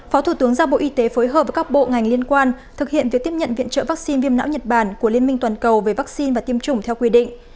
phó thủ tướng giao bộ y tế phối hợp với các bộ ngành liên quan thực hiện việc tiếp nhận viện trợ vaccine viêm não nhật bản của liên minh toàn cầu về vaccine và tiêm chủng theo quy định